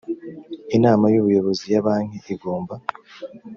inama y ubuyobozi ya banki igomba